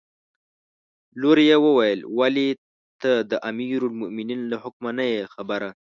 لور یې وویل: ولې ته د امیرالمؤمنین له حکمه نه یې خبره.